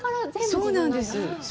そうなんです。